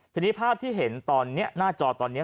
ทีนี้ภาพที่เห็นตอนนี้หน้าจอตอนนี้